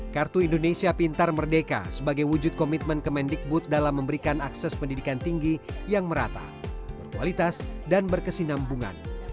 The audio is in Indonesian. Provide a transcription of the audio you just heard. kartu indonesia pintar merdeka sebagai wujud komitmen kemendikbud dalam memberikan akses pendidikan tinggi yang merata berkualitas dan berkesinambungan